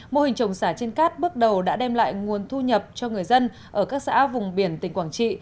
mô hình trồng xả trên cát bước đầu đã đem lại nguồn thu nhập cho người dân ở các xã vùng biển tỉnh quảng trị